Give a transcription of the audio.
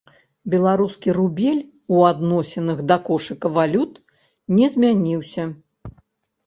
Беларускі рубель у адносінах да кошыка валют не змяніўся.